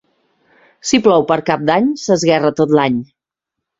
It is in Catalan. Si plou per Cap d'Any s'esguerra tot l'any.